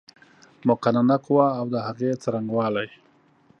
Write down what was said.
مقننه قوه اود هغې څرنګوالی